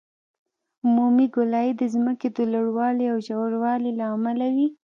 عمودي ګولایي د ځمکې د لوړوالي او ژوروالي له امله وي